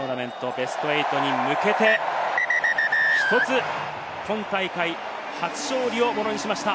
ベスト８に向けて、１つ今大会、初勝利をものにしました。